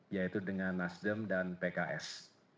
yaitu dengan nasdem dan pks